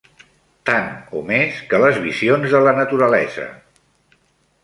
Tant o més que les visions de la naturalesa